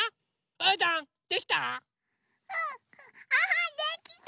うーたんできた？